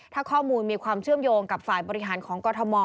ถ้าข้อมูลมีความเชื่อมโยงกับฝ่ายบริหารของกรทม